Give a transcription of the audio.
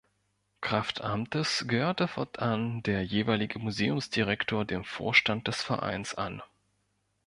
Kraft Amtes gehörte fortan der jeweilige Museumsdirektor dem Vorstand des Vereins an.